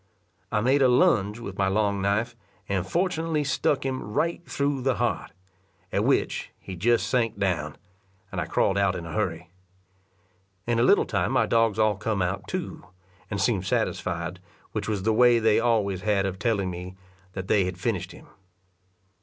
I made a lounge with my long knife, and fortunately stuck him right through the heart; at which he just sank down, and I crawled out in a hurry. In a little time my dogs all come out too, and seemed satisfied, which was the way they always had of telling me that they had finished him.